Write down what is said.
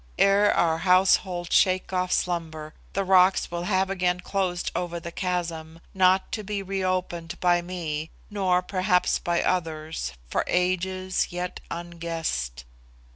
Ere our household shake off slumber, the rocks will have again closed over the chasm not to be re opened by me, nor perhaps by others, for ages yet unguessed.